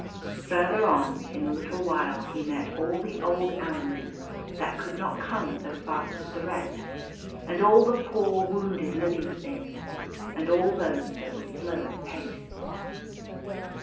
Further on, in a little while, he met all the old animals that could not come so fast as the rest, and all the poor wounded living things, and all those that were slow of pace.